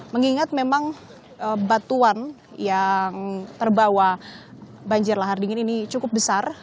mengingat memang batuan yang terbawa banjir lahar dingin ini cukup besar